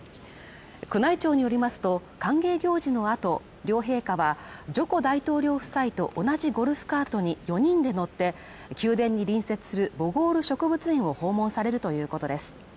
宮内庁によりますと、歓迎行事の後、両陛下はジョコ大統領夫妻と同じゴルフカートに４人で乗って宮殿に隣接するボゴール植物園を訪問されるということです。